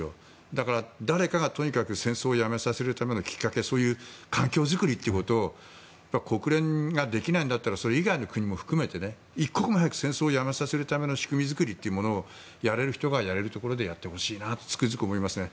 だから、誰かがとにかく戦争をやめさせるためのきっかけ、環境作りを国連ができないんだったらそれ以外の国も含めて一刻も早く戦争をやめさせるための仕組みづくりをやれる人がやれるところでやってほしいなとつくづく思いますね。